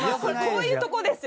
こういうとこですよ！